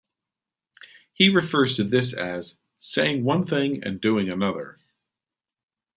He refers to this as "saying one thing and doing another".